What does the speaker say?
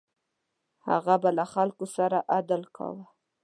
هغه به له خلکو سره عدل کاوه.